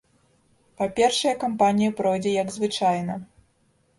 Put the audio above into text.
Па-першае, кампанія пройдзе як звычайна.